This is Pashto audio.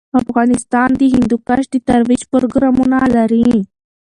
افغانستان د هندوکش د ترویج پروګرامونه لري.